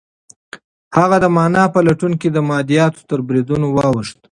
هغه د مانا په لټون کې د مادیاتو تر بریدونو واوښت.